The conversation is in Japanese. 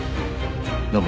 どうも。